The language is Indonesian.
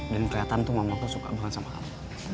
dan kelihatan tuh mama aku suka banget sama kamu